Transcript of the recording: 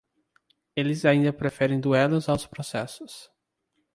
Eles ainda preferem duelos aos processos.